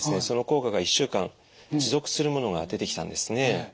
その効果が１週間持続するものが出てきたんですね。